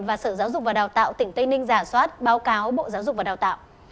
và sở giáo dục và đào tạo tỉnh tây ninh giả soát báo cáo bộ giáo dục và đào tạo